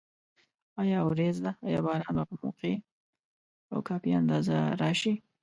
آیا وریځ ده؟ آیا باران به په موقع او کافي اندازه راشي؟